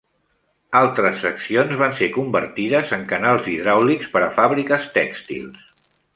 Altres seccions van ser convertides en canals hidràulics per a fàbriques tèxtils.